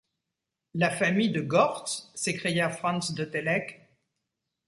La famille de Gortz?... s’écria Franz de Télek.